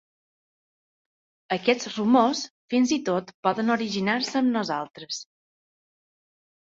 Aquests rumors fins i tot poden originar-se amb nosaltres.